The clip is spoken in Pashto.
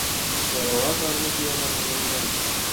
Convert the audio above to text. په رواکارونو کي يي امر منل فرض دي